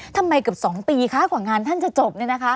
ทำไมเกือบ๒ปีคะกว่างานท่านจะจบ